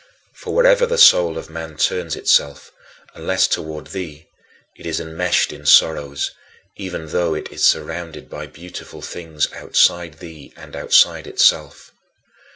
" For wherever the soul of man turns itself, unless toward thee, it is enmeshed in sorrows, even though it is surrounded by beautiful things outside thee and outside itself.